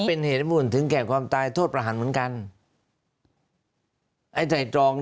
เป็นเหตุผลถึงแก่ความตายโทษประหารเหมือนกันไอว์ไต่ตรอง